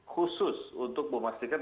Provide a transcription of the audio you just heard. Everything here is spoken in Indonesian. khusus untuk memastikan